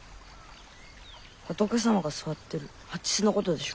仏様が座ってる蓮のことでしょ？